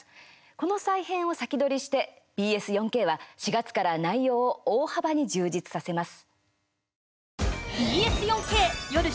この再編を先取りしてＢＳ４Ｋは４月から内容を大幅に充実させます。